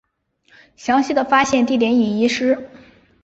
详细的发现地点已遗失。